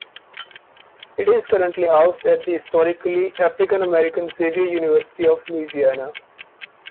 It is currently housed at the historically African-American Xavier University of Louisiana.